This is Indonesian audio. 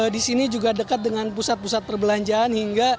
di sini juga dekat dengan pusat pusat perbelanjaan hingga